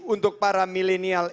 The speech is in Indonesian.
untuk para milenial